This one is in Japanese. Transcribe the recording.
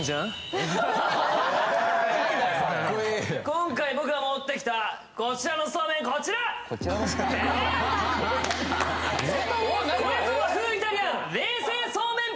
今回僕が持ってきたこちらのそうめんこちらデデン！